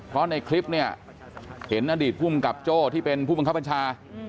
เพราะในคลิปเห็นอดีตผู้มันกลับโจ้ที่เป็นผู้บังคับปัญชา